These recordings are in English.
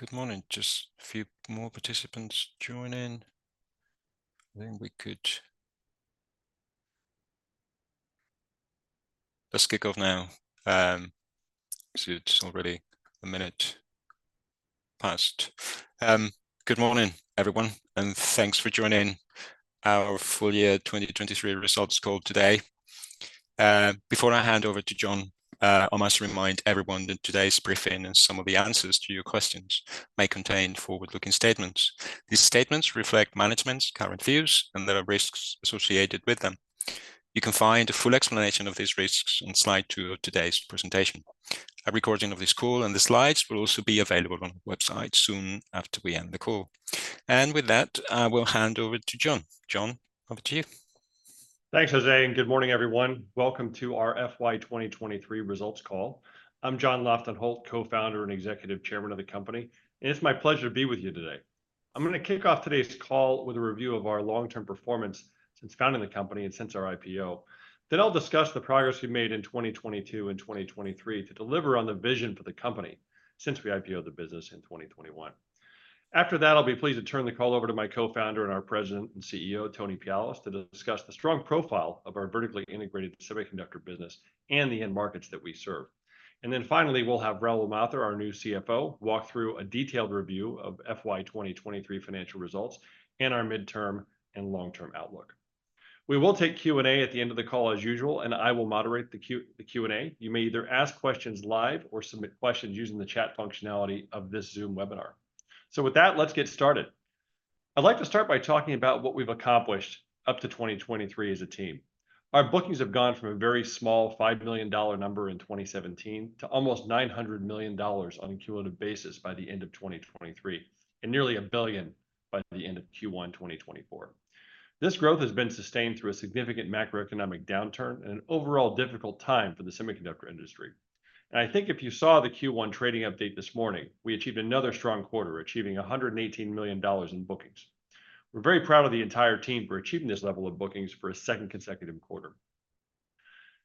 Good morning. Just a few more participants joining. Let's kick off now. So it's already a minute past. Good morning, everyone, and thanks for joining our full year 2023 results call today. Before I hand over to John, I must remind everyone that today's briefing and some of the answers to your questions may contain forward-looking statements. These statements reflect management's current views and there are risks associated with them. You can find a full explanation of these risks in slide 2 of today's presentation. A recording of this call and the slides will also be available on the website soon after we end the call. And with that, I will hand over to John. John, over to you. Thanks, Jose. And good morning, everyone. Welcome to our FY 2023 results call. I'm John Lofton Holt, Co-founder and Executive Chairman of the company, and it's my pleasure to be with you today. I'm going to kick off today's call with a review of our long-term performance since founding the company and since our IPO. Then I'll discuss the progress we made in 2022 and 2023 to deliver on the vision for the company since we IPO'd the business in 2021. After that, I'll be pleased to turn the call over to my co-founder and our President and CEO, Tony Pialis, to discuss the strong profile of our vertically integrated semiconductor business and the end markets that we serve. And then finally, we'll have Rahul Mathur, our new CFO, walk through a detailed review of FY 2023 financial results and our midterm and long-term outlook. We will take Q&A at the end of the call as usual, and I will moderate the Q&A. You may either ask questions live or submit questions using the chat functionality of this Zoom webinar. With that, let's get started. I'd like to start by talking about what we've accomplished up to 2023 as a team. Our bookings have gone from a very small $5 million number in 2017 to almost $900 million on a cumulative basis by the end of 2023, and nearly $1 billion by the end of Q1 2024. This growth has been sustained through a significant macroeconomic downturn and an overall difficult time for the semiconductor industry. I think if you saw the Q1 trading update this morning, we achieved another strong quarter, achieving $118 million in bookings. We're very proud of the entire team for achieving this level of bookings for a second consecutive quarter.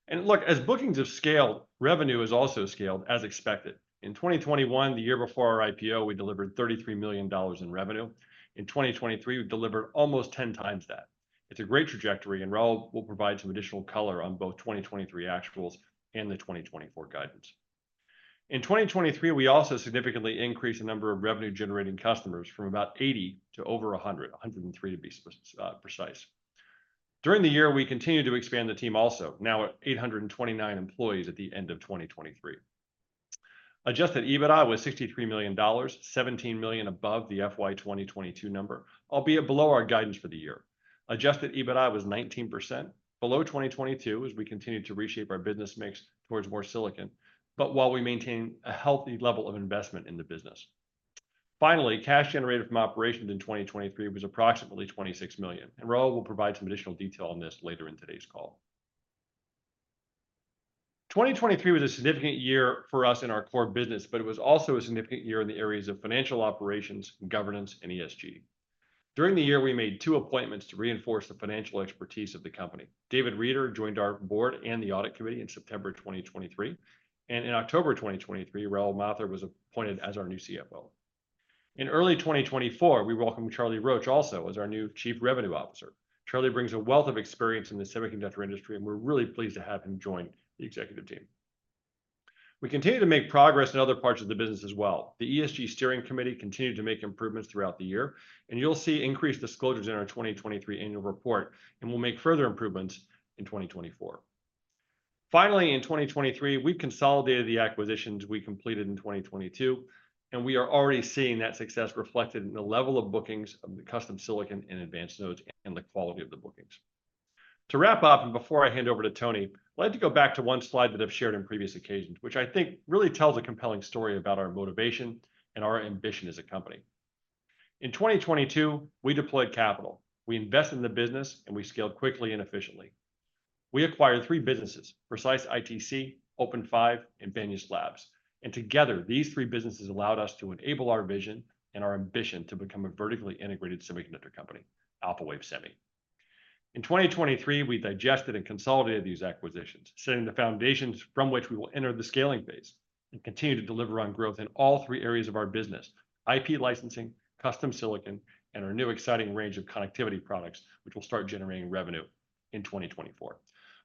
And look, as bookings have scaled, revenue has also scaled, as expected. In 2021, the year before our IPO, we delivered $33 million in revenue. In 2023, we delivered almost 10 times that. It's a great trajectory, and Rahul will provide some additional color on both 2023 actuals and the 2024 guidance. In 2023, we also significantly increased the number of revenue-generating customers from about 80 to over 100, 103 to be precise. During the year, we continued to expand the team also, now at 829 employees at the end of 2023. Adjusted EBITDA was $63 million, $17 million above the FY 2022 number, albeit below our guidance for the year. Adjusted EBITDA was 19%, below 2022 as we continue to reshape our business mix towards more silicon, but while we maintain a healthy level of investment in the business. Finally, cash generated from operations in 2023 was approximately $26 million, and Rahul will provide some additional detail on this later in today's call. 2023 was a significant year for us in our core business, but it was also a significant year in the areas of financial operations, governance, and ESG. During the year, we made two appointments to reinforce the financial expertise of the company. David Reeder joined our board and the audit committee in September 2023, and in October 2023, Rahul Mathur was appointed as our new CFO. In early 2024, we welcomed Charlie Roach also as our new Chief Revenue Officer. Charlie brings a wealth of experience in the semiconductor industry, and we're really pleased to have him join the executive team. We continue to make progress in other parts of the business as well. The ESG steering committee continued to make improvements throughout the year, and you'll see increased disclosures in our 2023 annual report, and we'll make further improvements in 2024. Finally, in 2023, we've consolidated the acquisitions we completed in 2022, and we are already seeing that success reflected in the level of bookings of the custom silicon and advanced nodes and the quality of the bookings. To wrap up, and before I hand over to Tony, I'd like to go back to one slide that I've shared in previous occasions, which I think really tells a compelling story about our motivation and our ambition as a company. In 2022, we deployed capital. We invested in the business, and we scaled quickly and efficiently. We acquired three businesses: Precise-ITC, OpenFive, and Banias Labs. And together, these three businesses allowed us to enable our vision and our ambition to become a vertically integrated semiconductor company, Alphawave Semi. In 2023, we digested and consolidated these acquisitions, setting the foundations from which we will enter the scaling phase and continue to deliver on growth in all three areas of our business: IP licensing, custom silicon, and our new exciting range of connectivity products, which will start generating revenue in 2024.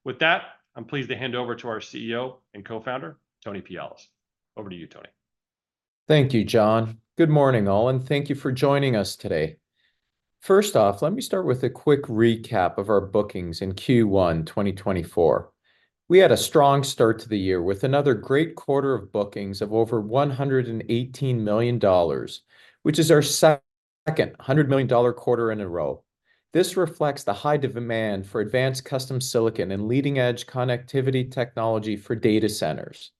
With that, I'm pleased to hand over to our CEO and co-founder, Tony Pialis. Over to you, Tony. Thank you, John. Good morning, all, and thank you for joining us today. First off, let me start with a quick recap of our bookings in Q1 2024. We had a strong start to the year with another great quarter of bookings of over $118 million, which is our second $100 million quarter in a row. This reflects the height of demand for advanced custom silicon and leading-edge connectivity technology for data centers.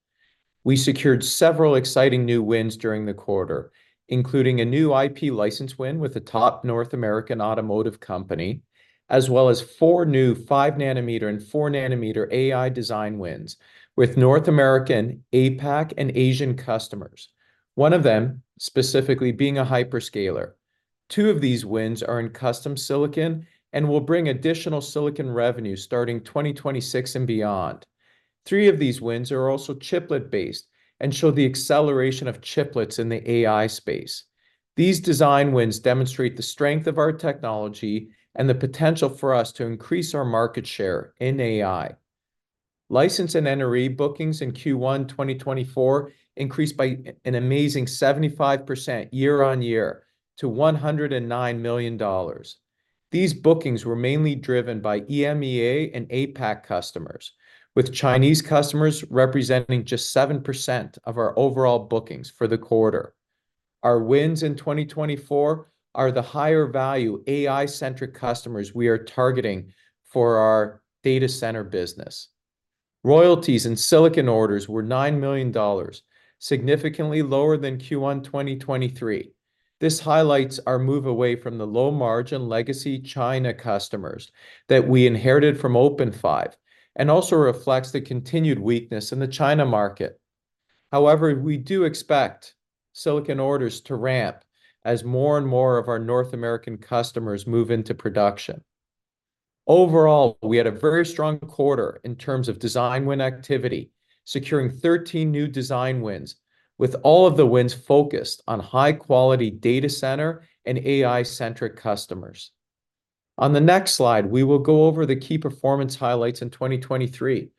We secured several exciting new wins during the quarter, including a new IP license win with a top North American automotive company, as well as four new 5 nanometer and 4 nanometer AI design wins with North American APAC and Asian customers, one of them specifically being a hyperscaler. Two of these wins are in custom silicon and will bring additional silicon revenue starting 2026 and beyond. Three of these wins are also chiplet-based and show the acceleration of chiplets in the AI space. These design wins demonstrate the strength of our technology and the potential for us to increase our market share in AI. License and NRE bookings in Q1 2024 increased by an amazing 75% year-on-year to $109 million. These bookings were mainly driven by EMEA and APAC customers, with Chinese customers representing just 7% of our overall bookings for the quarter. Our wins in 2024 are the higher value AI-centric customers we are targeting for our data center business. Royalties and silicon orders were $9 million, significantly lower than Q1 2023. This highlights our move away from the low-margin legacy China customers that we inherited from OpenFive and also reflects the continued weakness in the China market. However, we do expect silicon orders to ramp as more and more of our North American customers move into production. Overall, we had a very strong quarter in terms of design win activity, securing 13 new design wins, with all of the wins focused on high-quality data center and AI-centric customers. On the next slide, we will go over the key performance highlights in 2023.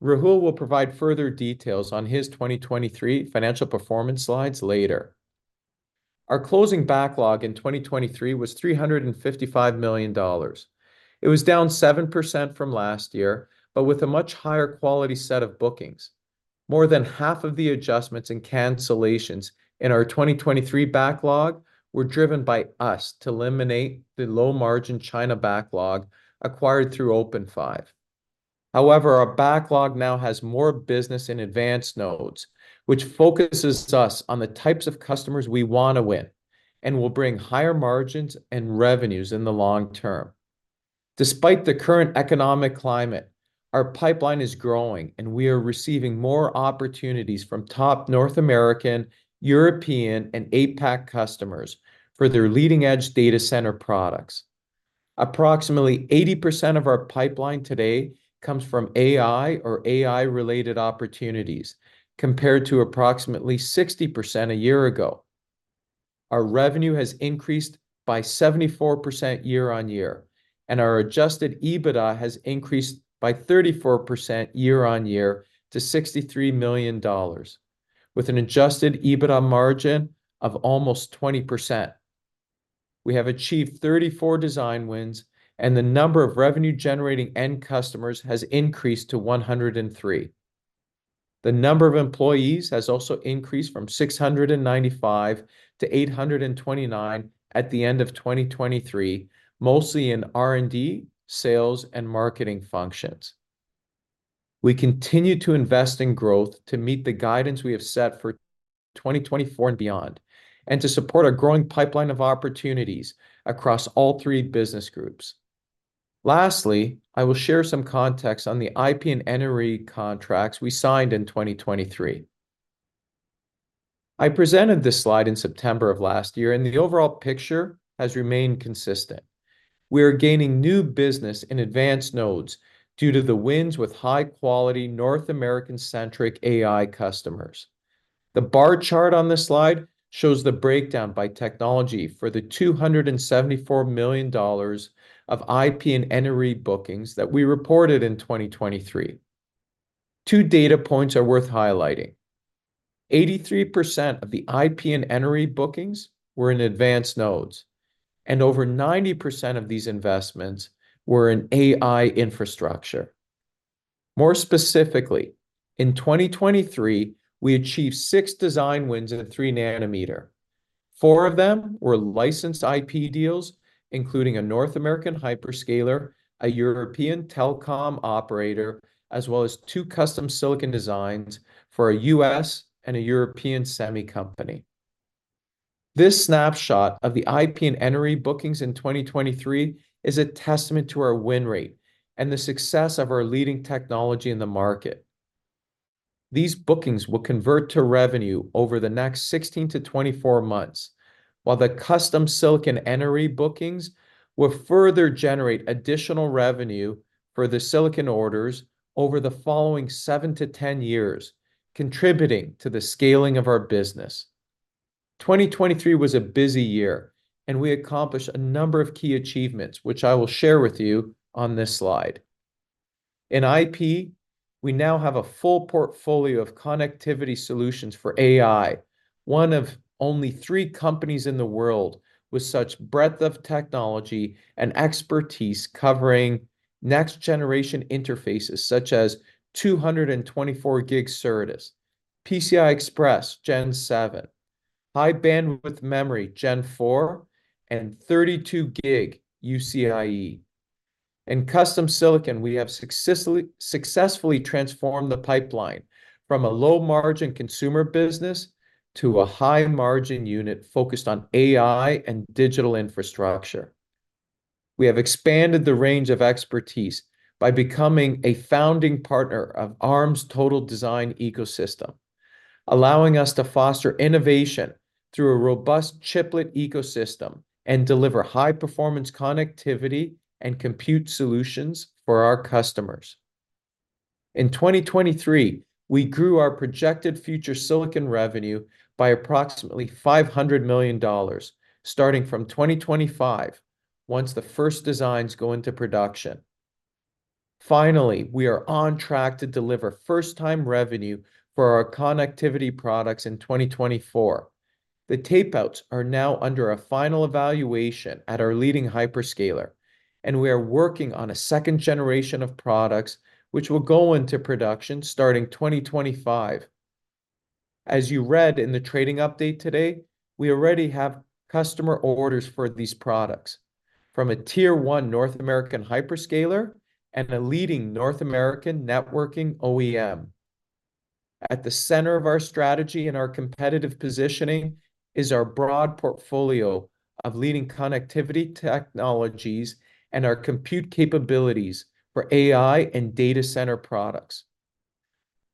Rahul will provide further details on his 2023 financial performance slides later. Our closing backlog in 2023 was $355 million. It was down 7% from last year, but with a much higher quality set of bookings. More than half of the adjustments and cancellations in our 2023 backlog were driven by us to eliminate the low-margin China backlog acquired through OpenFive. However, our backlog now has more business in advanced nodes, which focuses us on the types of customers we want to win and will bring higher margins and revenues in the long term. Despite the current economic climate, our pipeline is growing, and we are receiving more opportunities from top North American, European, and APAC customers for their leading-edge data center products. Approximately 80% of our pipeline today comes from AI or AI-related opportunities compared to approximately 60% a year ago. Our revenue has increased by 74% year-on-year, and our adjusted EBITDA has increased by 34% year-on-year to $63 million, with an adjusted EBITDA margin of almost 20%. We have achieved 34 design wins, and the number of revenue-generating end customers has increased to 103. The number of employees has also increased from 695-829 at the end of 2023, mostly in R&D, sales, and marketing functions. We continue to invest in growth to meet the guidance we have set for 2024 and beyond, and to support a growing pipeline of opportunities across all three business groups. Lastly, I will share some context on the IP and NRE contracts we signed in 2023. I presented this slide in September of last year, and the overall picture has remained consistent. We are gaining new business in advanced nodes due to the wins with high-quality North American-centric AI customers. The bar chart on this slide shows the breakdown by technology for the $274 million of IP and NRE bookings that we reported in 2023. Two data points are worth highlighting. 83% of the IP and NRE bookings were in advanced nodes, and over 90% of these investments were in AI infrastructure. More specifically, in 2023, we achieved six design wins in 3-nanometer. Four of them were licensed IP deals, including a North American hyperscaler, a European telecom operator, as well as two custom silicon designs for a U.S. and a European semi-company. This snapshot of the IP and NRE bookings in 2023 is a testament to our win rate and the success of our leading technology in the market. These bookings will convert to revenue over the next 16-24 months, while the custom silicon NRE bookings will further generate additional revenue for the silicon orders over the following 7-10 years, contributing to the scaling of our business. 2023 was a busy year, and we accomplished a number of key achievements, which I will share with you on this slide. In IP, we now have a full portfolio of connectivity solutions for AI, one of only three companies in the world with such breadth of technology and expertise covering next-generation interfaces such as 224G SerDes, PCIe Gen 7, HBM4, and 32G UCIe. In custom silicon, we have successfully transformed the pipeline from a low-margin consumer business to a high-margin unit focused on AI and digital infrastructure. We have expanded the range of expertise by becoming a founding partner of Arm's Total Design ecosystem, allowing us to foster innovation through a robust chiplet ecosystem and deliver high-performance connectivity and compute solutions for our customers. In 2023, we grew our projected future silicon revenue by approximately $500 million, starting from 2025, once the first designs go into production. Finally, we are on track to deliver first-time revenue for our connectivity products in 2024. The tapeouts are now under a final evaluation at our leading hyperscaler, and we are working on a second generation of products, which will go into production starting 2025. As you read in the trading update today, we already have customer orders for these products from a tier one North American hyperscaler and a leading North American networking OEM. At the center of our strategy and our competitive positioning is our broad portfolio of leading connectivity technologies and our compute capabilities for AI and data center products.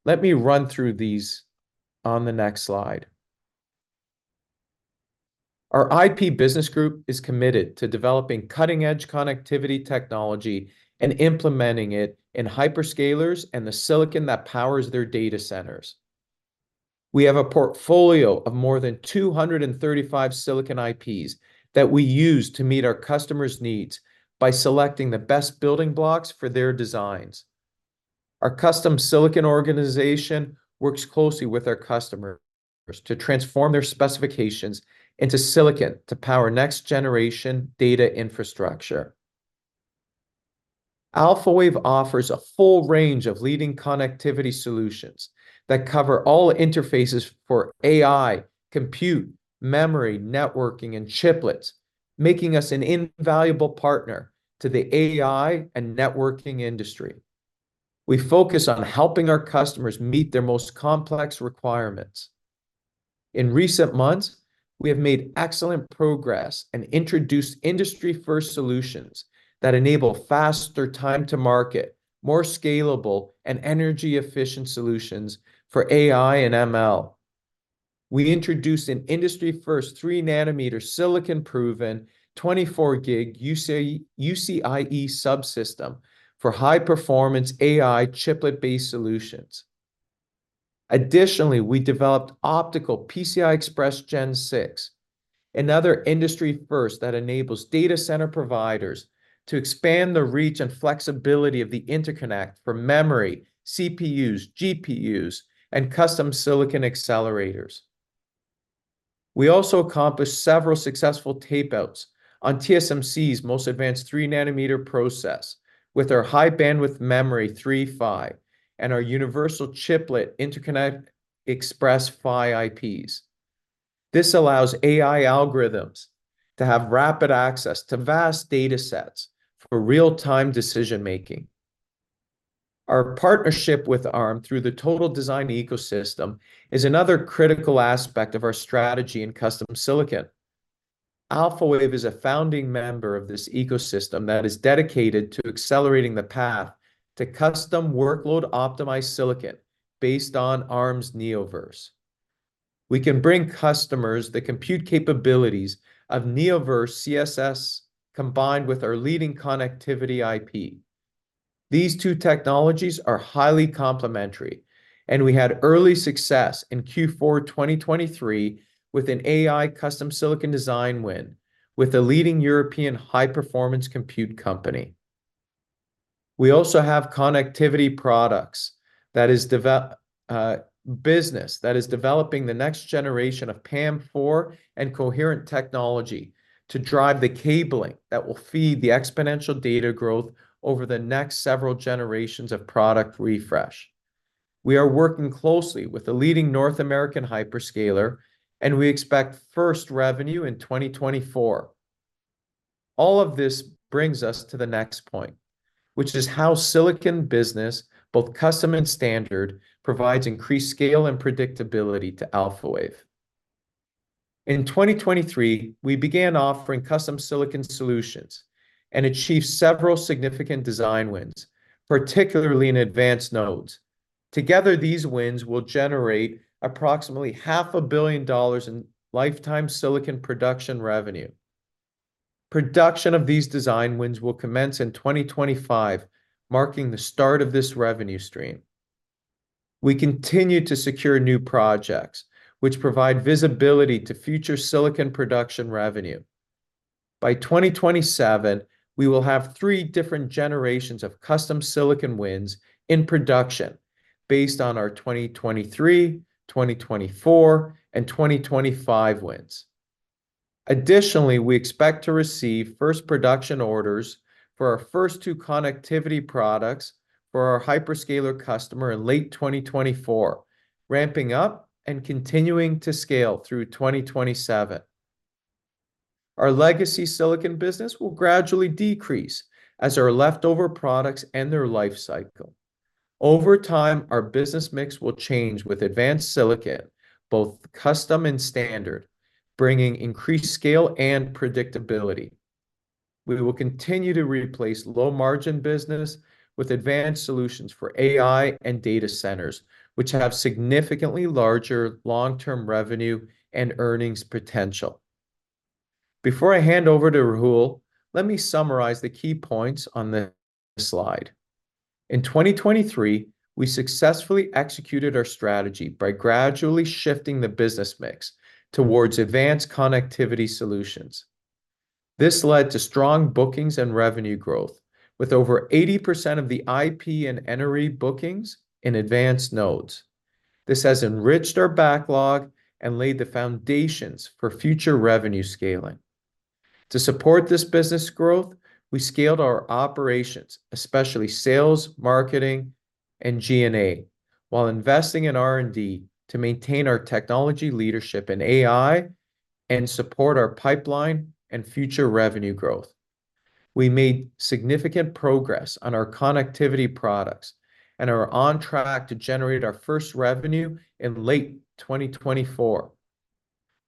Let me run through these on the next slide. Our IP business group is committed to developing cutting-edge connectivity technology and implementing it in hyperscalers and the silicon that powers their data centers. We have a portfolio of more than 235 silicon IPs that we use to meet our customers' needs by selecting the best building blocks for their designs. Our custom silicon organization works closely with our customers to transform their specifications into silicon to power next-generation data infrastructure. Alphawave offers a full range of leading connectivity solutions that cover all interfaces for AI, compute, memory, networking, and chiplets, making us an invaluable partner to the AI and networking industry. We focus on helping our customers meet their most complex requirements. In recent months, we have made excellent progress and introduced industry-first solutions that enable faster time-to-market, more scalable, and energy-efficient solutions for AI and ML. We introduced an industry-first 3-nm silicon-proven 224G UCIe subsystem for high-performance AI chiplet-based solutions. Additionally, we developed optical PCIe Gen 6, another industry-first that enables data center providers to expand the reach and flexibility of the interconnect for memory, CPUs, GPUs, and custom silicon accelerators. We also accomplished several successful tapeouts on TSMC's most advanced 3-nm process with our high bandwidth memory 3 PHY and our universal chiplet interconnect express PHY IPs. This allows AI algorithms to have rapid access to vast data sets for real-time decision making. Our partnership with Arm through the Total Design ecosystem is another critical aspect of our strategy in custom silicon. Alphawave is a founding member of this ecosystem that is dedicated to accelerating the path to custom workload-optimized silicon based on Arm's Neoverse. We can bring customers the compute capabilities of Neoverse CSS combined with our leading connectivity IP. These two technologies are highly complementary, and we had early success in Q4 2023 with an AI custom silicon design win with a leading European high-performance compute company. We also have connectivity products. That is business that is developing the next generation of PAM4 and coherent technology to drive the cabling that will feed the exponential data growth over the next several generations of product refresh. We are working closely with the leading North American hyperscaler, and we expect first revenue in 2024. All of this brings us to the next point, which is how silicon business, both custom and standard, provides increased scale and predictability to Alphawave. In 2023, we began offering custom silicon solutions and achieved several significant design wins, particularly in advanced nodes. Together, these wins will generate approximately $500 million in lifetime silicon production revenue. Production of these design wins will commence in 2025, marking the start of this revenue stream. We continue to secure new projects, which provide visibility to future silicon production revenue. By 2027, we will have three different generations of custom silicon wins in production based on our 2023, 2024, and 2025 wins. Additionally, we expect to receive first production orders for our first two connectivity products for our hyperscaler customer in late 2024, ramping up and continuing to scale through 2027. Our legacy silicon business will gradually decrease as our leftover products end their life cycle. Over time, our business mix will change with advanced silicon, both custom and standard, bringing increased scale and predictability. We will continue to replace low-margin business with advanced solutions for AI and data centers, which have significantly larger long-term revenue and earnings potential. Before I hand over to Rahul, let me summarize the key points on this slide. In 2023, we successfully executed our strategy by gradually shifting the business mix towards advanced connectivity solutions. This led to strong bookings and revenue growth, with over 80% of the IP and NRE bookings in advanced nodes. This has enriched our backlog and laid the foundations for future revenue scaling. To support this business growth, we scaled our operations, especially sales, marketing, and G&A, while investing in R&D to maintain our technology leadership in AI and support our pipeline and future revenue growth. We made significant progress on our connectivity products and are on track to generate our first revenue in late 2024.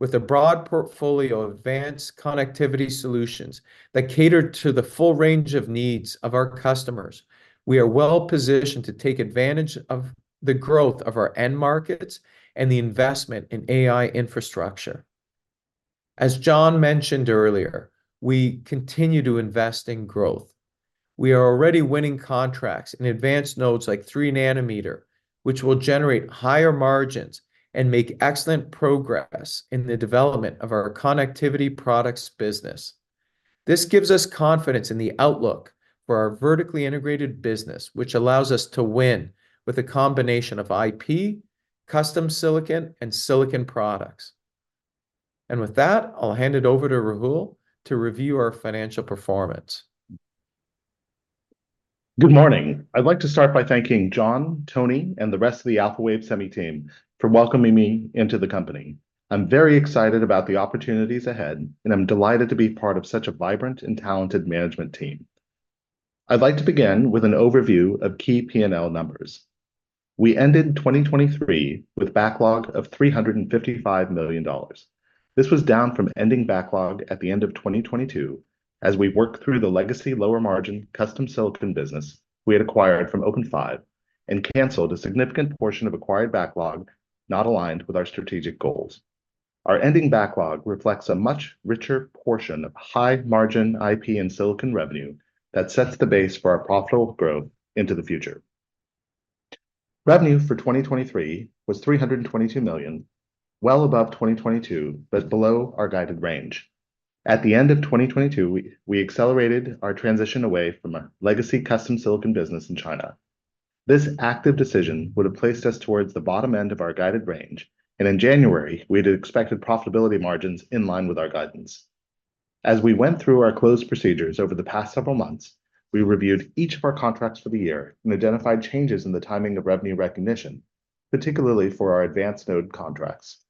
With a broad portfolio of advanced connectivity solutions that cater to the full range of needs of our customers, we are well positioned to take advantage of the growth of our end markets and the investment in AI infrastructure. As John mentioned earlier, we continue to invest in growth. We are already winning contracts in advanced nodes like 3 nanometer, which will generate higher margins and make excellent progress in the development of our connectivity products business. This gives us confidence in the outlook for our vertically integrated business, which allows us to win with a combination of IP, custom silicon, and silicon products. With that, I'll hand it over to Rahul to review our financial performance. Good morning. I'd like to start by thanking John, Tony, and the rest of the Alphawave Semi team for welcoming me into the company. I'm very excited about the opportunities ahead, and I'm delighted to be part of such a vibrant and talented management team. I'd like to begin with an overview of key P&L numbers. We ended 2023 with a backlog of $355 million. This was down from ending backlog at the end of 2022. As we worked through the legacy lower-margin custom silicon business we had acquired from OpenFive and canceled a significant portion of acquired backlog not aligned with our strategic goals, our ending backlog reflects a much richer portion of high-margin IP and silicon revenue that sets the base for our profitable growth into the future. Revenue for 2023 was $322 million, well above 2022 but below our guided range. At the end of 2022, we accelerated our transition away from a legacy custom silicon business in China. This active decision would have placed us towards the bottom end of our guided range, and in January, we had expected profitability margins in line with our guidance. As we went through our closed procedures over the past several months, we reviewed each of our contracts for the year and identified changes in the timing of revenue recognition, particularly for our advanced node contracts.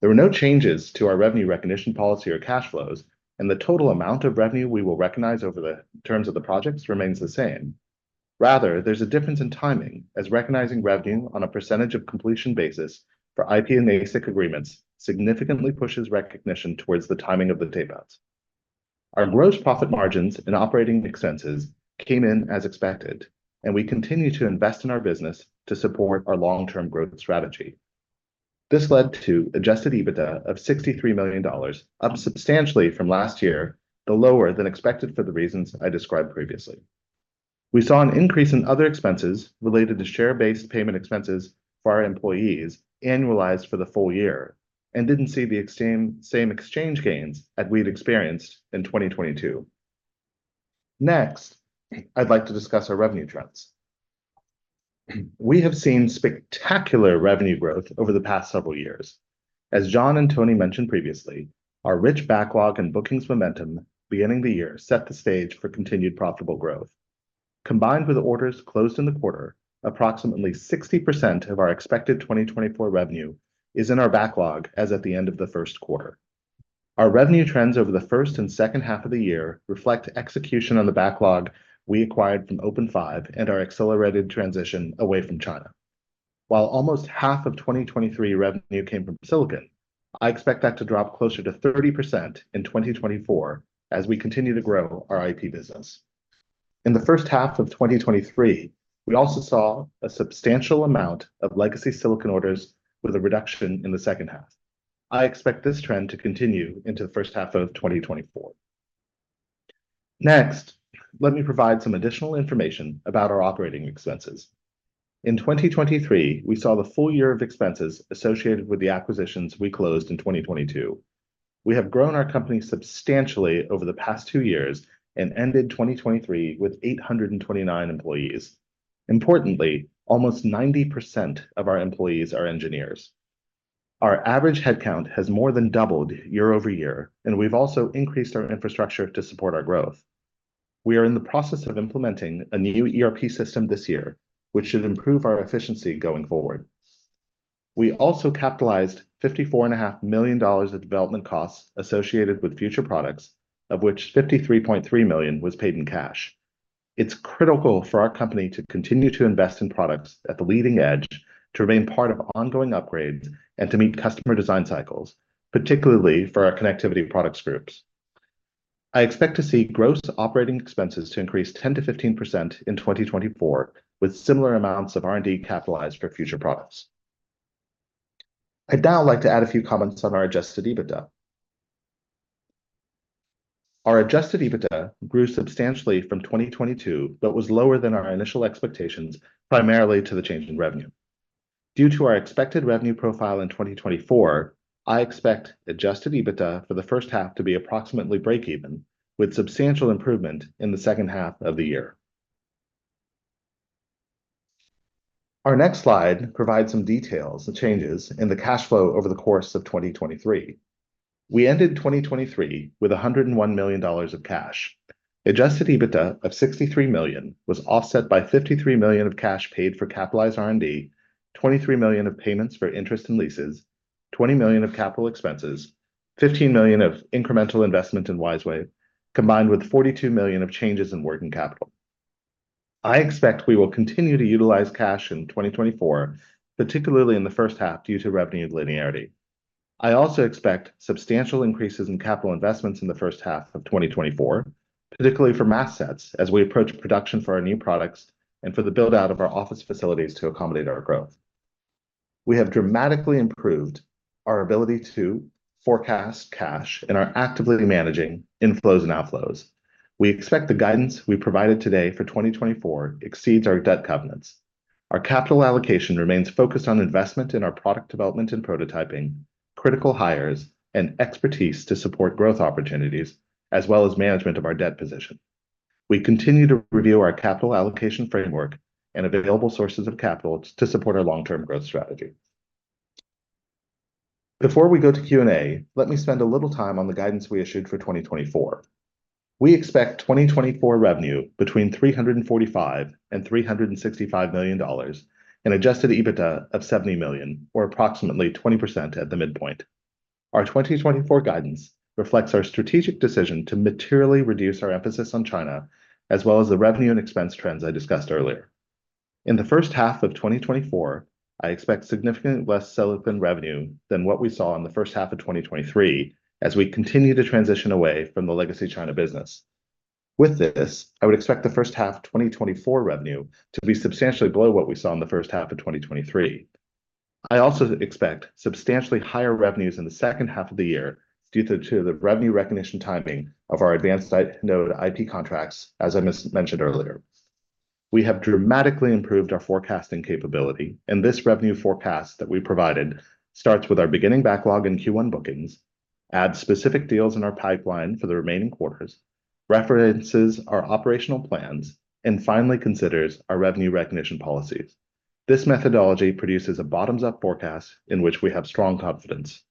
There were no changes to our revenue recognition policy or cash flows, and the total amount of revenue we will recognize over the terms of the projects remains the same. Rather, there's a difference in timing, as recognizing revenue on a percentage of completion basis for IP and ASIC agreements significantly pushes recognition towards the timing of the tapeouts. Our gross profit margins and operating expenses came in as expected, and we continue to invest in our business to support our long-term growth strategy. This led to adjusted EBITDA of $63 million, up substantially from last year, though lower than expected for the reasons I described previously. We saw an increase in other expenses related to share-based payment expenses for our employees annualized for the full year and didn't see the same exchange gains that we'd experienced in 2022. Next, I'd like to discuss our revenue trends. We have seen spectacular revenue growth over the past several years. As John and Tony mentioned previously, our rich backlog and bookings momentum beginning the year set the stage for continued profitable growth. Combined with orders closed in the quarter, approximately 60% of our expected 2024 revenue is in our backlog as at the end of the first quarter. Our revenue trends over the first and second half of the year reflect execution on the backlog we acquired from OpenFive and our accelerated transition away from China. While almost half of 2023 revenue came from silicon, I expect that to drop closer to 30% in 2024 as we continue to grow our IP business. In the first half of 2023, we also saw a substantial amount of legacy silicon orders with a reduction in the second half. I expect this trend to continue into the first half of 2024. Next, let me provide some additional information about our operating expenses. In 2023, we saw the full year of expenses associated with the acquisitions we closed in 2022. We have grown our company substantially over the past two years and ended 2023 with 829 employees. Importantly, almost 90% of our employees are engineers. Our average headcount has more than doubled year-over-year, and we've also increased our infrastructure to support our growth. We are in the process of implementing a new ERP system this year, which should improve our efficiency going forward. We also capitalized $54.5 million in development costs associated with future products, of which $53.3 million was paid in cash. It's critical for our company to continue to invest in products at the leading edge, to remain part of ongoing upgrades, and to meet customer design cycles, particularly for our connectivity products groups. I expect to see gross operating expenses to increase 10%-15% in 2024 with similar amounts of R&D capitalized for future products. I'd now like to add a few comments on our adjusted EBITDA. Our adjusted EBITDA grew substantially from 2022 but was lower than our initial expectations, primarily to the change in revenue. Due to our expected revenue profile in 2024, I expect adjusted EBITDA for the first half to be approximately break-even, with substantial improvement in the second half of the year. Our next slide provides some details and changes in the cash flow over the course of 2023. We ended 2023 with $101 million of cash. Adjusted EBITDA of $63 million was offset by $53 million of cash paid for capitalized R&D, $23 million of payments for interest and leases, $20 million of capital expenses, and $15 million of incremental investment in WiseWave, combined with $42 million of changes in working capital. I expect we will continue to utilize cash in 2024, particularly in the first half due to revenue linearity. I also expect substantial increases in capital investments in the first half of 2024, particularly for mask sets as we approach production for our new products and for the buildout of our office facilities to accommodate our growth. We have dramatically improved our ability to forecast cash and are actively managing inflows and outflows. We expect the guidance we provided today for 2024 exceeds our debt covenants. Our capital allocation remains focused on investment in our product development and prototyping, critical hires, and expertise to support growth opportunities, as well as management of our debt position. We continue to review our capital allocation framework and available sources of capital to support our long-term growth strategy. Before we go to Q&A, let me spend a little time on the guidance we issued for 2024. We expect 2024 revenue between $345 million-$365 million and adjusted EBITDA of $70 million, or approximately 20% at the midpoint. Our 2024 guidance reflects our strategic decision to materially reduce our emphasis on China, as well as the revenue and expense trends I discussed earlier. In the first half of 2024, I expect significantly less silicon revenue than what we saw in the first half of 2023 as we continue to transition away from the legacy China business. With this, I would expect the first half of 2024 revenue to be substantially below what we saw in the first half of 2023. I also expect substantially higher revenues in the second half of the year due to the revenue recognition timing of our advanced node IP contracts, as I mentioned earlier. We have dramatically improved our forecasting capability, and this revenue forecast that we provided starts with our beginning backlog and Q1 bookings, adds specific deals in our pipeline for the remaining quarters, references our operational plans, and finally considers our revenue recognition policies. This methodology produces a bottoms-up forecast in which we have strong confidence.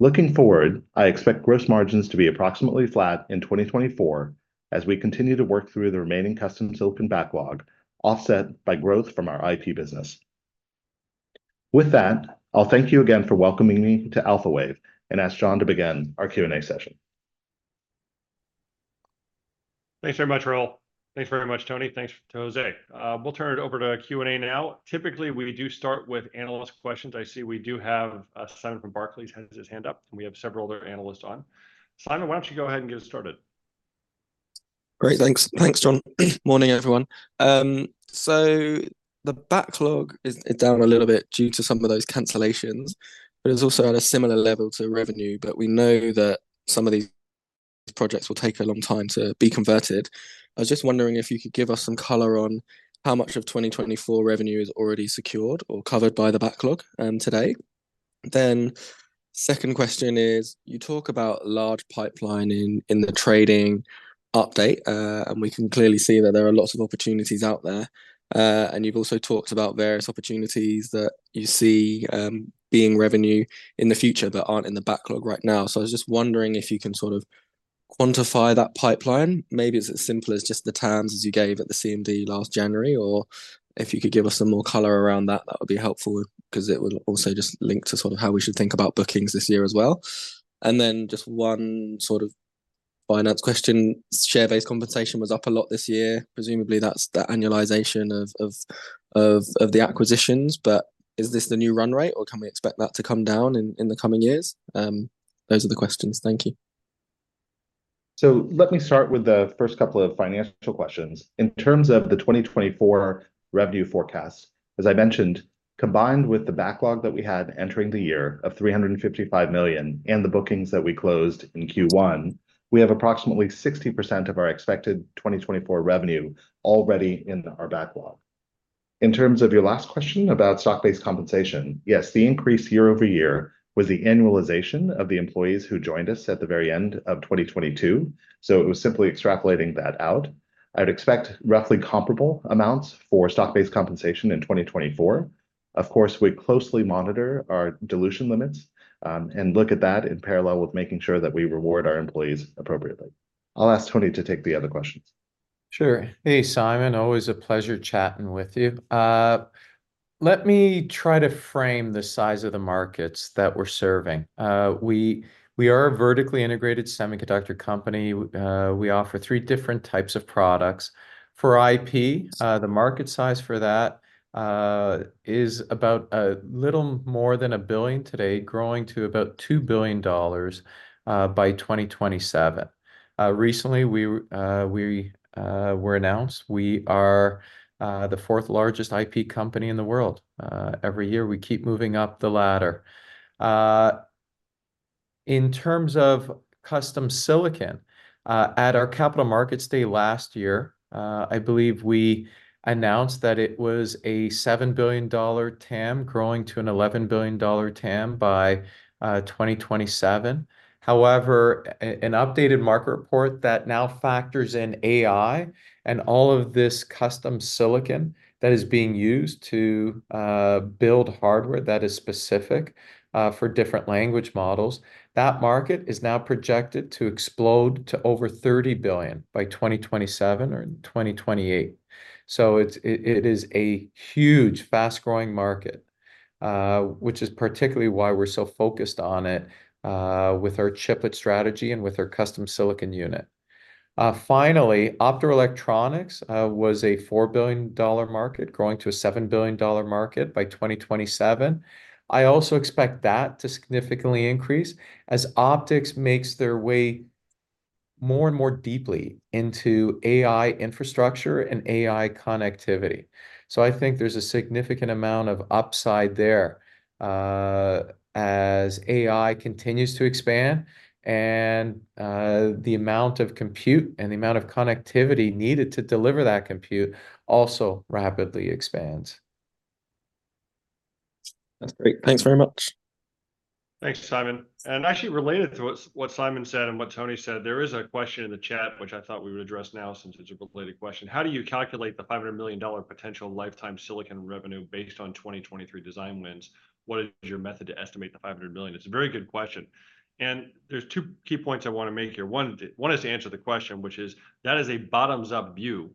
Looking forward, I expect gross margins to be approximately flat in 2024 as we continue to work through the remaining custom silicon backlog offset by growth from our IP business. With that, I'll thank you again for welcoming me to Alphawave and ask John to begin our Q&A session. Thanks very much, Rahul. Thanks very much, Tony. Thanks to Jose. We'll turn it over to Q&A now. Typically, we do start with analyst questions. I see we do have Simon from Barclays has his hand up, and we have several other analysts on. Simon, why don't you go ahead and get us started? Great. Thanks. Thanks, John. Morning, everyone. So the backlog is down a little bit due to some of those cancellations, but it's also at a similar level to revenue. But we know that some of these projects will take a long time to be converted. I was just wondering if you could give us some color on how much of 2024 revenue is already secured or covered by the backlog today. Then the second question is, you talk about large pipeline in the trading update, and we can clearly see that there are lots of opportunities out there. And you've also talked about various opportunities that you see being revenue in the future but aren't in the backlog right now. So I was just wondering if you can sort of quantify that pipeline. Maybe it's as simple as just the TAMS as you gave at the CMD last January, or if you could give us some more color around that, that would be helpful because it would also just link to sort of how we should think about bookings this year as well. Just one sort of finance question. Share-based compensation was up a lot this year. Presumably, that's the annualization of the acquisitions. But is this the new run rate, or can we expect that to come down in the coming years? Those are the questions. Thank you. So let me start with the first couple of financial questions. In terms of the 2024 revenue forecast, as I mentioned, combined with the backlog that we had entering the year of $355 million and the bookings that we closed in Q1, we have approximately 60% of our expected 2024 revenue already in our backlog. In terms of your last question about stock-based compensation, yes, the increase year-over-year was the annualization of the employees who joined us at the very end of 2022. So it was simply extrapolating that out. I would expect roughly comparable amounts for stock-based compensation in 2024. Of course, we closely monitor our dilution limits and look at that in parallel with making sure that we reward our employees appropriately. I'll ask Tony to take the other questions. Sure. Hey, Simon. Always a pleasure chatting with you. Let me try to frame the size of the markets that we're serving. We are a vertically integrated semiconductor company. We offer three different types of products. For IP, the market size for that is about a little more than $1 billion today, growing to about $2 billion by 2027. Recently, we were announced we are the fourth largest IP company in the world. Every year, we keep moving up the ladder. In terms of custom silicon, at our capital markets day last year, I believe we announced that it was a $7 billion TAM, growing to an $11 billion TAM by 2027. However, an updated market report that now factors in AI and all of this custom silicon that is being used to build hardware that is specific for different language models, that market is now projected to explode to over $30 billion by 2027 or 2028. So it is a huge, fast-growing market, which is particularly why we're so focused on it with our chiplet strategy and with our custom silicon unit. Finally, optoelectronics was a $4 billion market, growing to a $7 billion market by 2027. I also expect that to significantly increase as optics makes their way more and more deeply into AI infrastructure and AI connectivity. So I think there's a significant amount of upside there as AI continues to expand and the amount of compute and the amount of connectivity needed to deliver that compute also rapidly expands. That's great. Thanks very much. Thanks, Simon. Actually, related to what Simon said and what Tony said, there is a question in the chat, which I thought we would address now since it's a related question. How do you calculate the $500 million potential lifetime silicon revenue based on 2023 design wins? What is your method to estimate the $500 million? It's a very good question. There's two key points I want to make here. One is to answer the question, which is that is a bottoms-up view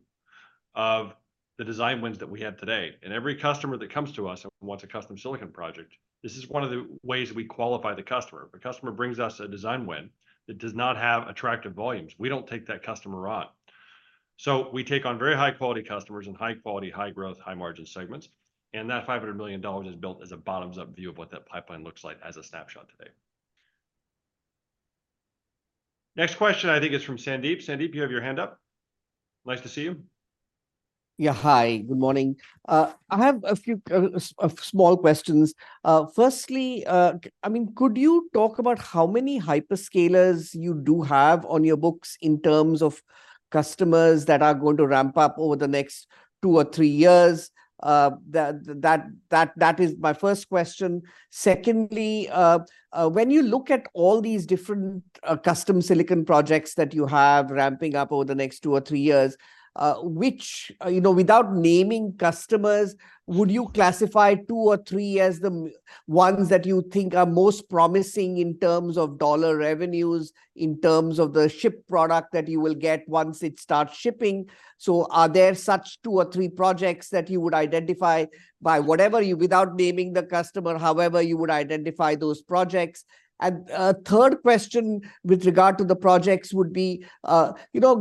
of the design wins that we have today. Every customer that comes to us and wants a custom silicon project, this is one of the ways we qualify the customer. If a customer brings us a design win that does not have attractive volumes, we don't take that customer on. We take on very high-quality customers in high-quality, high-growth, high-margin segments. That $500 million is built as a bottoms-up view of what that pipeline looks like as a snapshot today. Next question, I think, is from Sandeep. Sandeep, you have your hand up. Nice to see you. Yeah. Hi. Good morning. I have a few small questions. Firstly, I mean, could you talk about how many hyperscalers you do have on your books in terms of customers that are going to ramp up over the next 2 or 3 years? That is my first question. Secondly, when you look at all these different custom silicon projects that you have ramping up over the next 2 or 3 years, without naming customers, would you classify 2 or 3 as the ones that you think are most promising in terms of dollar revenues, in terms of the shipped product that you will get once it starts shipping? So are there such 2 or 3 projects that you would identify by whatever, without naming the customer, however you would identify those projects? A third question with regard to the projects would be,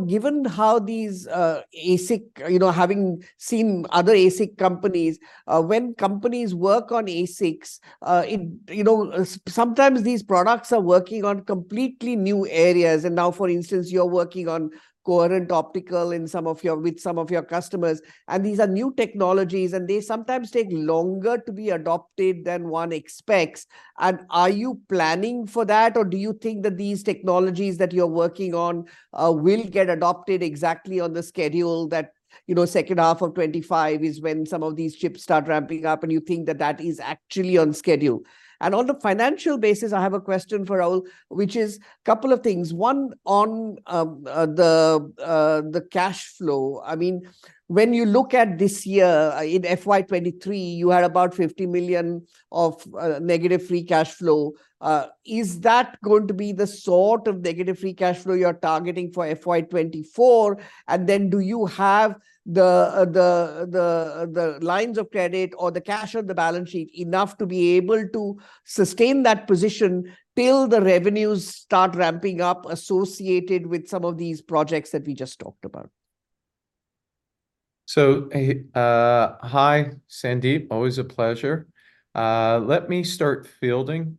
given how these ASIC, having seen other ASIC companies, when companies work on ASICs, sometimes these products are working on completely new areas. And now, for instance, you're working on coherent optical with some of your customers. And these are new technologies, and they sometimes take longer to be adopted than one expects. And are you planning for that, or do you think that these technologies that you're working on will get adopted exactly on the schedule that second half of 2025 is when some of these chips start ramping up, and you think that that is actually on schedule? And on a financial basis, I have a question for Rahul, which is a couple of things. One, on the cash flow. I mean, when you look at this year in FY23, you had about $50 million of negative free cash flow. Is that going to be the sort of negative free cash flow you're targeting for FY24? And then do you have the lines of credit or the cash on the balance sheet enough to be able to sustain that position till the revenues start ramping up associated with some of these projects that we just talked about? Hi, Sandeep. Always a pleasure. Let me start fielding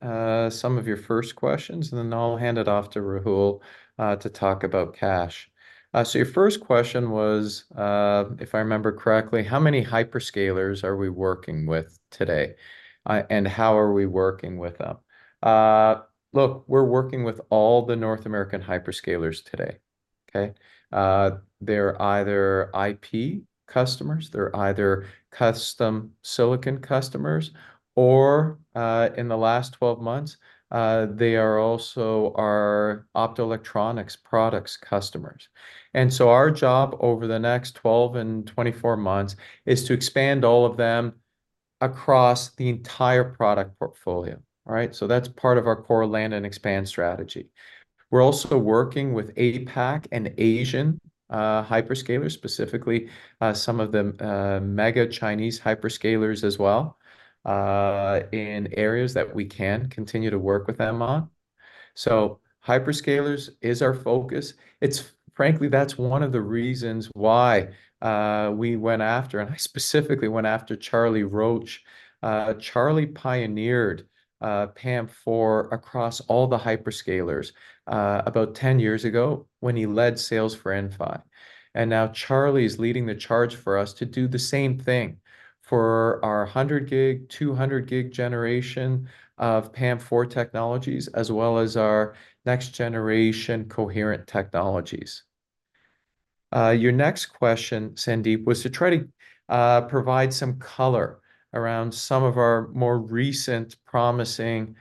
some of your first questions, and then I'll hand it off to Rahul to talk about cash. Your first question was, if I remember correctly, how many hyperscalers are we working with today, and how are we working with them? Look, we're working with all the North American hyperscalers today. Okay? They're either IP customers, they're either custom silicon customers, or in the last 12 months, they are also our optoelectronics products customers. And so our job over the next 12 and 24 months is to expand all of them across the entire product portfolio. All right? That's part of our core land and expand strategy. We're also working with APAC and Asian hyperscalers, specifically some of the mega Chinese hyperscalers as well in areas that we can continue to work with them on. So hyperscalers is our focus. Frankly, that's one of the reasons why we went after, and I specifically went after Charlie Roach. Charlie pioneered PAM4 across all the hyperscalers about 10 years ago when he led sales for Inphi. And now Charlie is leading the charge for us to do the same thing for our 100 gig, 200 gig generation of PAM4 technologies, as well as our next-generation coherent technologies. Your next question, Sandeep, was to try to provide some color around some of our more recent promising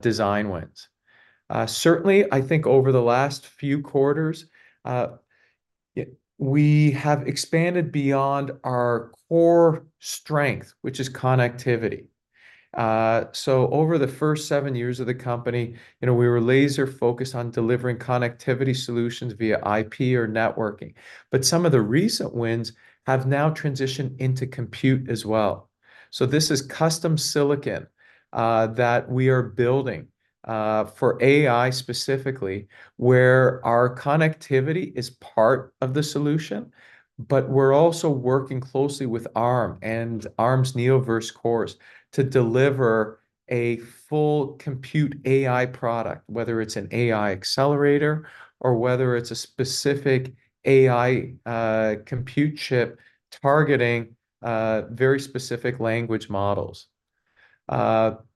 design wins. Certainly, I think over the last few quarters, we have expanded beyond our core strength, which is connectivity. So over the first 7 years of the company, we were laser-focused on delivering connectivity solutions via IP or networking. But some of the recent wins have now transitioned into compute as well. So this is custom silicon that we are building for AI specifically, where our connectivity is part of the solution, but we're also working closely with Arm and Arm's Neoverse cores to deliver a full compute AI product, whether it's an AI accelerator or whether it's a specific AI compute chip targeting very specific language models. Another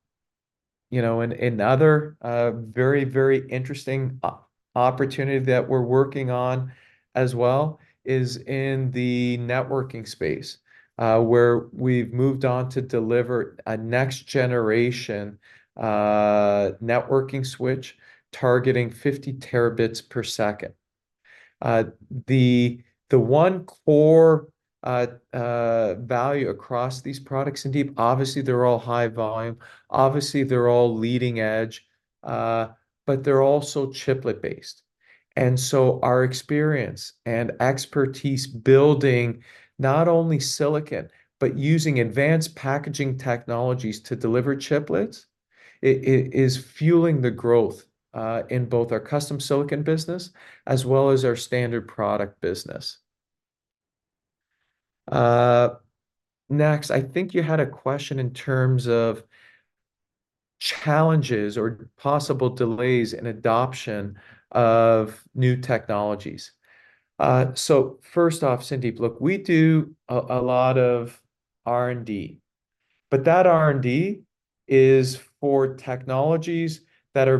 very, very interesting opportunity that we're working on as well is in the networking space, where we've moved on to deliver a next-generation networking switch targeting 50 Tbps. The one core value across these products, Sandeep, obviously, they're all high volume. Obviously, they're all leading edge, but they're also chiplet-based. And so our experience and expertise building not only silicon but using advanced packaging technologies to deliver chiplets is fueling the growth in both our custom silicon business as well as our standard product business. Next, I think you had a question in terms of challenges or possible delays in adoption of new technologies. So first off, Sandeep, look, we do a lot of R&D, but that R&D is for technologies that are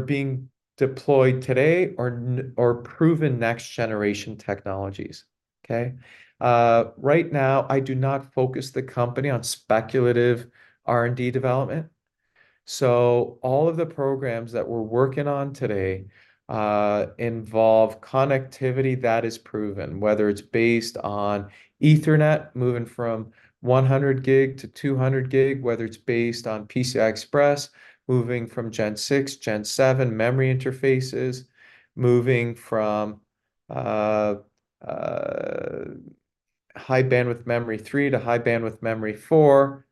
being deployed today or proven next-generation technologies. Okay? Right now, I do not focus the company on speculative R&D development. So all of the programs that we're working on today involve connectivity that is proven, whether it's based on Ethernet, moving from 100 gig-200 gig, whether it's based on PCI Express, moving from Gen 6, Gen 7 memory interfaces, moving from High Bandwidth Memory 3-High Bandwidth Memory 4,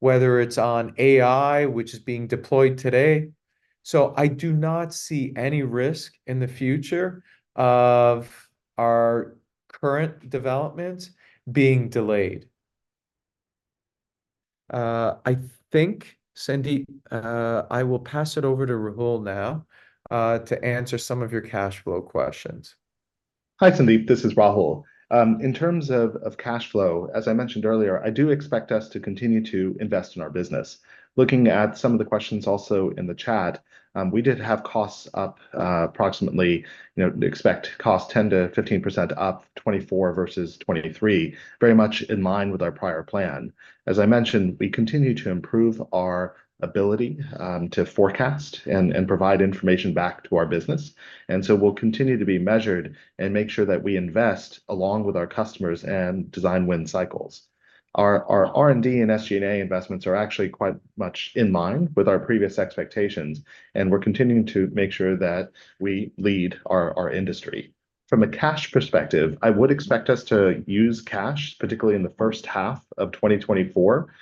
whether it's on AI, which is being deployed today. So I do not see any risk in the future of our current developments being delayed. I think, Sandeep, I will pass it over to Rahul now to answer some of your cash flow questions. Hi, Sandeep. This is Rahul. In terms of cash flow, as I mentioned earlier, I do expect us to continue to invest in our business. Looking at some of the questions also in the chat, we did have costs up approximately. Expect costs 10%-15% up, 2024 versus 2023, very much in line with our prior plan. As I mentioned, we continue to improve our ability to forecast and provide information back to our business. So we'll continue to be measured and make sure that we invest along with our customers and design win cycles. Our R&D and SG&A investments are actually quite much in line with our previous expectations, and we're continuing to make sure that we lead our industry. From a cash perspective, I would expect us to use cash, particularly in the first half of 2024,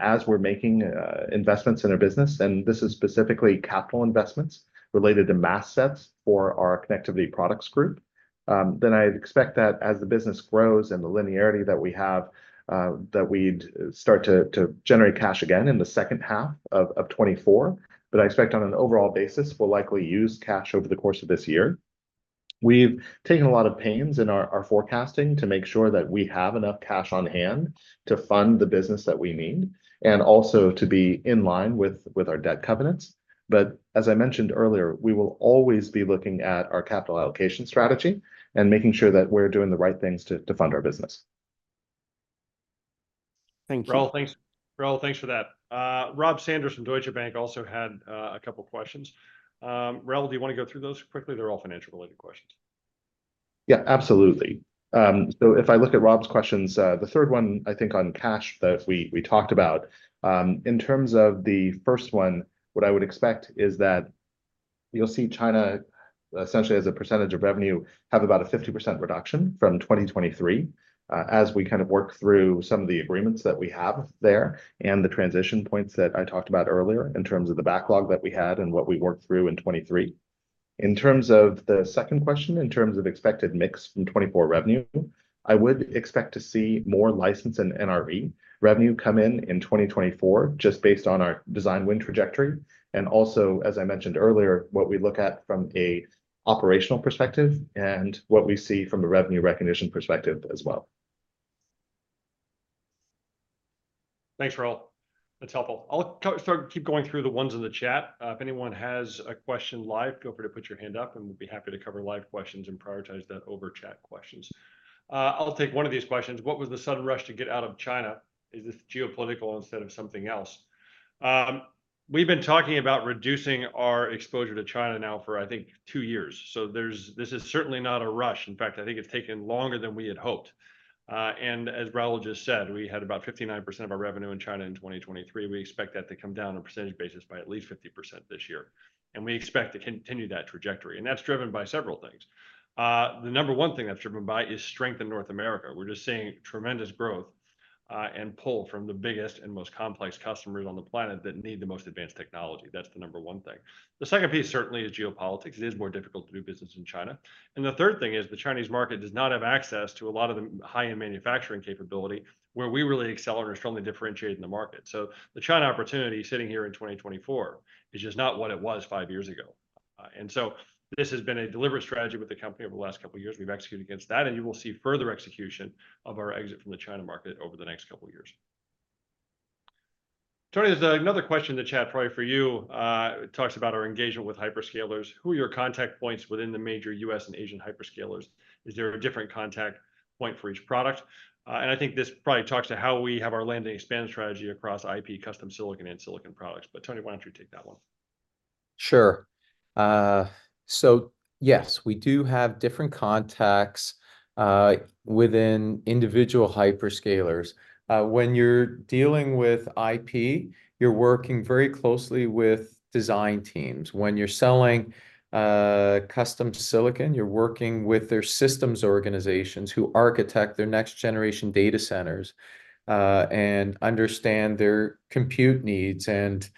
as we're making investments in our business. This is specifically capital investments related to mask sets for our connectivity products group. I expect that as the business grows and the linearity that we have, that we'd start to generate cash again in the second half of 2024. But I expect on an overall basis, we'll likely use cash over the course of this year. We've taken a lot of pains in our forecasting to make sure that we have enough cash on hand to fund the business that we need and also to be in line with our debt covenants. But as I mentioned earlier, we will always be looking at our capital allocation strategy and making sure that we're doing the right things to fund our business. Thank you. Rahul, thanks for that. Rob Sanders from Deutsche Bank also had a couple of questions. Rahul, do you want to go through those quickly? They're all financial-related questions. Yeah, absolutely. So if I look at Rob's questions, the third one, I think, on cash that we talked about, in terms of the first one, what I would expect is that you'll see China essentially as a percentage of revenue have about a 50% reduction from 2023 as we kind of work through some of the agreements that we have there and the transition points that I talked about earlier in terms of the backlog that we had and what we worked through in 2023. In terms of the second question, in terms of expected mix from 2024 revenue, I would expect to see more license and NRE revenue come in in 2024 just based on our design win trajectory. And also, as I mentioned earlier, what we look at from an operational perspective and what we see from a revenue recognition perspective as well. Thanks, Rahul. That's helpful. I'll keep going through the ones in the chat. If anyone has a question live, feel free to put your hand up, and we'll be happy to cover live questions and prioritize that over chat questions. I'll take one of these questions. What was the sudden rush to get out of China? Is this geopolitical instead of something else? We've been talking about reducing our exposure to China now for, I think, two years. So this is certainly not a rush. In fact, I think it's taken longer than we had hoped. And as Rahul just said, we had about 59% of our revenue in China in 2023. We expect that to come down on a percentage basis by at least 50% this year. And we expect to continue that trajectory. And that's driven by several things. The number one thing that's driven by is strength in North America. We're just seeing tremendous growth and pull from the biggest and most complex customers on the planet that need the most advanced technology. That's the number one thing. The second piece certainly is geopolitics. It is more difficult to do business in China. And the third thing is the Chinese market does not have access to a lot of the high-end manufacturing capability where we really excel and are strongly differentiated in the market. So the China opportunity sitting here in 2024 is just not what it was five years ago. And so this has been a deliberate strategy with the company over the last couple of years. We've executed against that, and you will see further execution of our exit from the China market over the next couple of years. Tony, there's another question in the chat, probably for you. It talks about our engagement with hyperscalers. Who are your contact points within the major U.S. and Asian hyperscalers? Is there a different contact point for each product? And I think this probably talks to how we have our land and expand strategy across IP, custom silicon, and silicon products. But Tony, why don't you take that one? Sure. So yes, we do have different contacts within individual hyperscalers. When you're dealing with IP, you're working very closely with design teams. When you're selling custom silicon, you're working with their systems organizations who architect their next-generation data centers and understand their compute needs and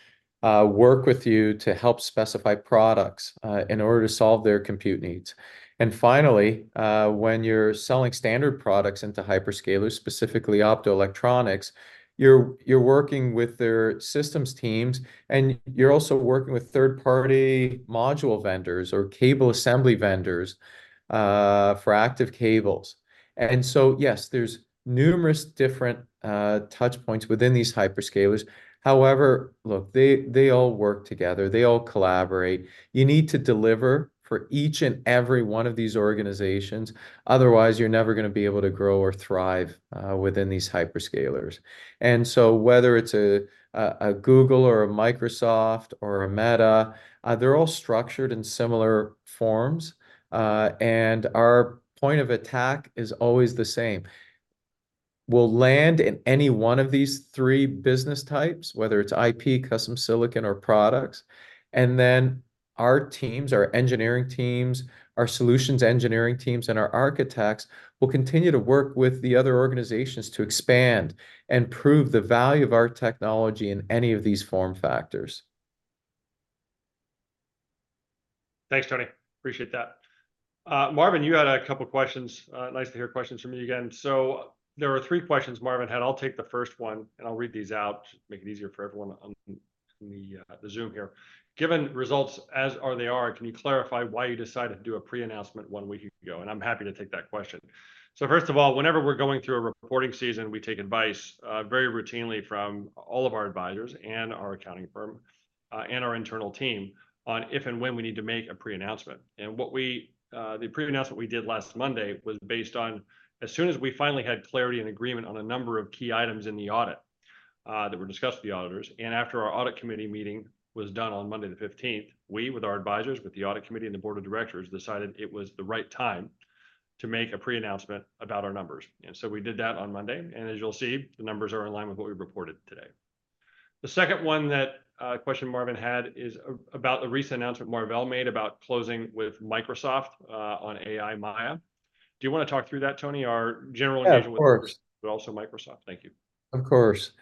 work with you to help specify products in order to solve their compute needs. And finally, when you're selling standard products into hyperscalers, specifically optoelectronics, you're working with their systems teams, and you're also working with third-party module vendors or cable assembly vendors for active cables. And so yes, there's numerous different touchpoints within these hyperscalers. However, look, they all work together. They all collaborate. You need to deliver for each and every one of these organizations. Otherwise, you're never going to be able to grow or thrive within these hyperscalers. Whether it's a Google or a Microsoft or a Meta, they're all structured in similar forms. Our point of attack is always the same. We'll land in any one of these three business types, whether it's IP, custom silicon, or products. Then our teams, our engineering teams, our solutions engineering teams, and our architects will continue to work with the other organizations to expand and prove the value of our technology in any of these form factors. Thanks, Tony. Appreciate that. Marvin, you had a couple of questions. Nice to hear questions from you again. So there were three questions Marvin had. I'll take the first one, and I'll read these out, make it easier for everyone on the Zoom here. Given the results as they are, can you clarify why you decided to do a pre-announcement one week ago? And I'm happy to take that question. So first of all, whenever we're going through a reporting season, we take advice very routinely from all of our advisors and our accounting firm and our internal team on if and when we need to make a pre-announcement. And the pre-announcement we did last Monday was based on as soon as we finally had clarity and agreement on a number of key items in the audit that were discussed with the auditors. After our audit committee meeting was done on Monday the 15th, we, with our advisors, with the audit committee, and the board of directors, decided it was the right time to make a pre-announcement about our numbers. So we did that on Monday. As you'll see, the numbers are in line with what we reported today. The second question Marvin had is about the recent announcement Marvell made about closing with Microsoft on Maia. Do you want to talk through that, Tony? Our general engagement with Microsoft, but also Microsoft. Thank you. Of course.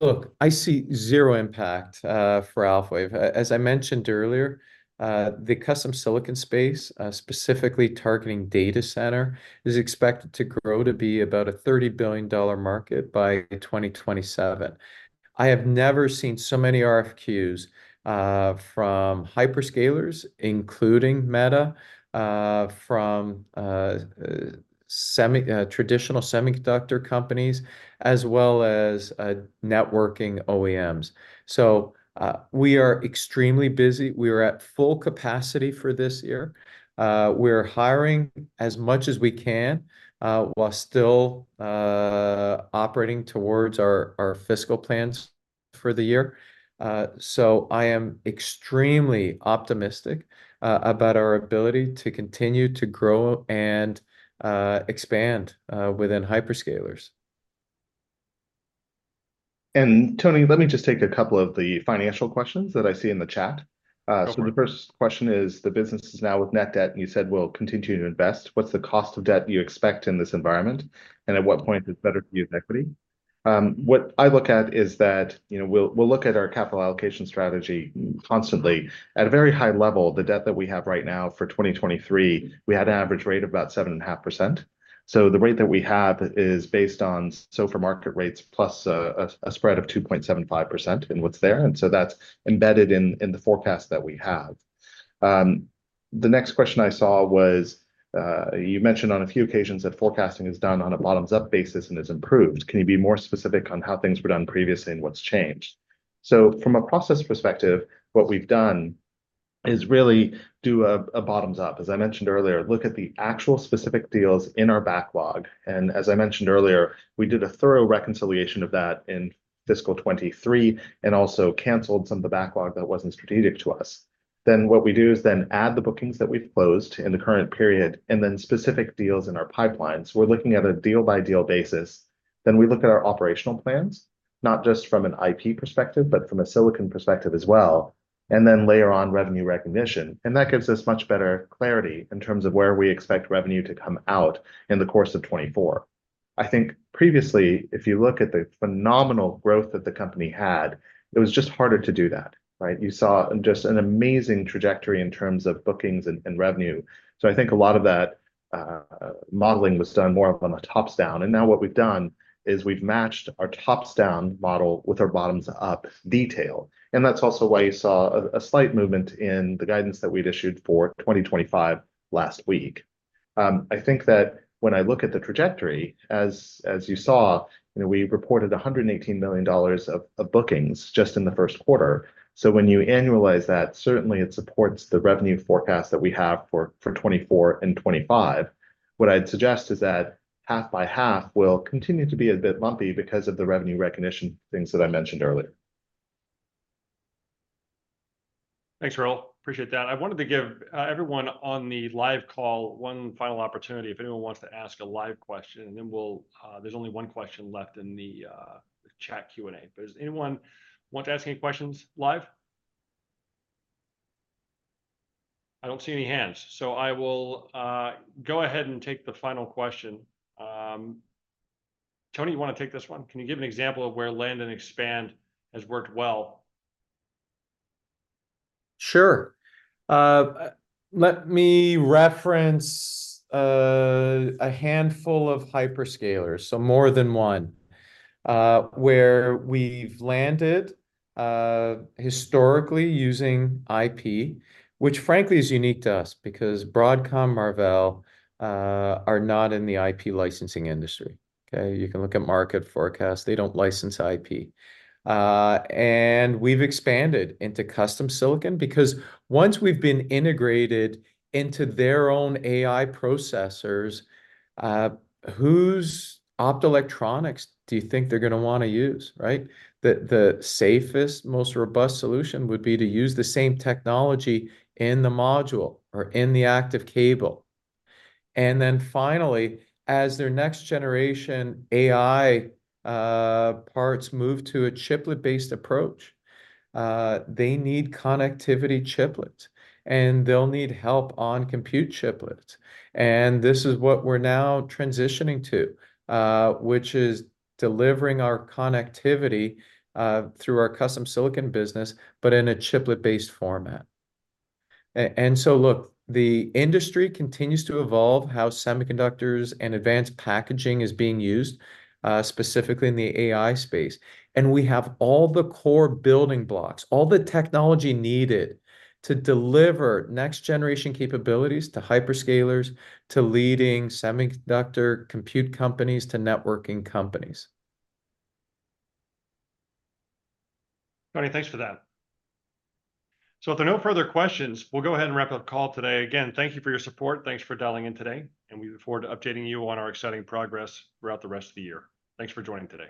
Look, I see 0 impact for Alphawave. As I mentioned earlier, the custom silicon space, specifically targeting data center, is expected to grow to be about a $30 billion market by 2027. I have never seen so many RFQs from hyperscalers, including Meta, from traditional semiconductor companies, as well as networking OEMs. So we are extremely busy. We are at full capacity for this year. We're hiring as much as we can while still operating towards our fiscal plans for the year. So I am extremely optimistic about our ability to continue to grow and expand within hyperscalers. And Tony, let me just take a couple of the financial questions that I see in the chat. So the first question is, the business is now with net debt, and you said we'll continue to invest. What's the cost of debt you expect in this environment? And at what point is it better to use equity? What I look at is that we'll look at our capital allocation strategy constantly. At a very high level, the debt that we have right now for 2023, we had an average rate of about 7.5%. So the rate that we have is based on SOFR market rates plus a spread of 2.75% in what's there. And so that's embedded in the forecast that we have. The next question I saw was, you mentioned on a few occasions that forecasting is done on a bottoms-up basis and is improved. Can you be more specific on how things were done previously and what's changed? So from a process perspective, what we've done is really do a bottoms-up. As I mentioned earlier, look at the actual specific deals in our backlog. And as I mentioned earlier, we did a thorough reconciliation of that in fiscal 2023 and also canceled some of the backlog that wasn't strategic to us. Then what we do is then add the bookings that we've closed in the current period and then specific deals in our pipelines. We're looking at a deal-by-deal basis. Then we look at our operational plans, not just from an IP perspective, but from a silicon perspective as well, and then layer on revenue recognition. And that gives us much better clarity in terms of where we expect revenue to come out in the course of 2024. I think previously, if you look at the phenomenal growth that the company had, it was just harder to do that, right? You saw just an amazing trajectory in terms of bookings and revenue. So I think a lot of that modeling was done more of on a tops-down. And now what we've done is we've matched our tops-down model with our bottoms-up detail. And that's also why you saw a slight movement in the guidance that we'd issued for 2025 last week. I think that when I look at the trajectory, as you saw, we reported $118 million of bookings just in the first quarter. So when you annualize that, certainly it supports the revenue forecast that we have for 2024 and 2025. What I'd suggest is that half-by-half will continue to be a bit lumpy because of the revenue recognition things that I mentioned earlier. Thanks, Rahul. Appreciate that. I wanted to give everyone on the live call one final opportunity if anyone wants to ask a live question. And then there's only one question left in the chat Q&A. But does anyone want to ask any questions live? I don't see any hands. So I will go ahead and take the final question. Tony, you want to take this one? Can you give an example of where land and expand has worked well? Sure. Let me reference a handful of hyperscalers, so more than one, where we've landed historically using IP, which frankly is unique to us because Broadcom, Marvell, are not in the IP licensing industry, okay? You can look at market forecasts. They don't license IP. We've expanded into custom silicon because once we've been integrated into their own AI processors, whose optical electronics do you think they're going to want to use, right? The safest, most robust solution would be to use the same technology in the module or in the active cable. And then finally, as their next-generation AI parts move to a chiplet-based approach, they need connectivity chiplets. And they'll need help on compute chiplets. And this is what we're now transitioning to, which is delivering our connectivity through our custom silicon business, but in a chiplet-based format. And so look, the industry continues to evolve how semiconductors and advanced packaging is being used, specifically in the AI space. We have all the core building blocks, all the technology needed to deliver next-generation capabilities to hyperscalers, to leading semiconductor compute companies, to networking companies. Tony, thanks for that. So if there are no further questions, we'll go ahead and wrap up the call today. Again, thank you for your support. Thanks for dialing in today. And we look forward to updating you on our exciting progress throughout the rest of the year. Thanks for joining today.